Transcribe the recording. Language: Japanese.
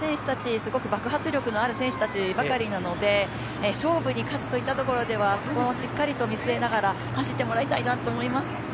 すごく爆発力のある選手たちばかりなので勝負に勝つといったところではそこをしっかりと見据えながら走ってもらいたいなと思います。